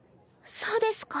そうですか。